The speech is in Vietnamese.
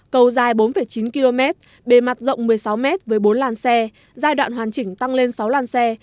cầu dài bốn chín km bề mặt rộng một mươi sáu m với bốn làn xe giai đoạn hoàn chỉnh tăng lên sáu làn xe